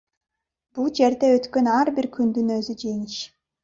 Бул жерде өткөн ар бир күндүн өзү жеңиш.